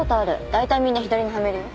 だいたいみんな左にはめるよ。